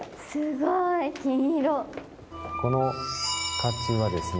この甲冑はですね